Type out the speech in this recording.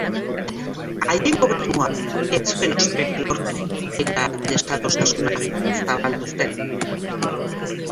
Haien gobernuak ez zuen osperik lortu, eta desadostasuna zabaldu zen.